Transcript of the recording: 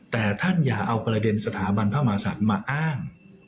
แต่ท่านอย่าเอากรดินสถาบันพมศัพท์มาอ้าง